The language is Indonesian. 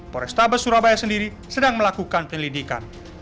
pola stabes surabaya sendiri sedang melakukan penelitikan